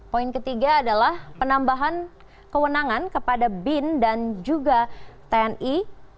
poin ketiga adalah penambahan kewenangan kepada bin dan juga tni